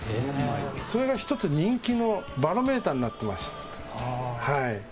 それが一つ人気のバロメーターになっていました。